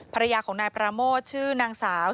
ภรรยาของนายปราโมทชื่อนางสาว